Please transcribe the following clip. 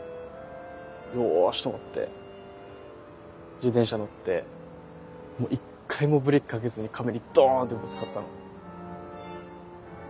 よし！と思って自転車乗って一回もブレーキかけずに壁にドン！ってぶつかったの。